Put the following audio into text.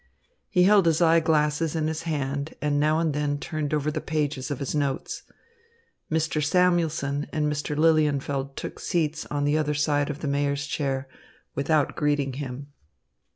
He held his eye glasses in his hand and now and then turned over the pages of his notes. Mr. Samuelson and Mr. Lilienfeld took seats on the other side of the Mayor's chair, without greeting him.